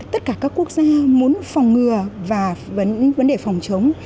tất cả các quốc gia muốn phòng ngừa và vấn đề phòng chống